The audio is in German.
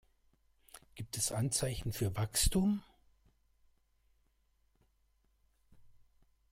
Gibt es Anzeichen für Wachstum?